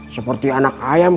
seperti anak ayam